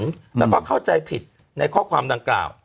แล้วก็เข้าใจผิดในข้อความดังกล่าว